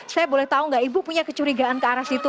saya boleh tahu nggak ibu punya kecurigaan ke arah situ